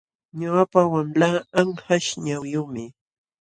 Ñuqapa wamlaa anqaśh ñawiyuqmi.